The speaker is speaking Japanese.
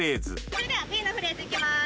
それではＢのフレーズいきます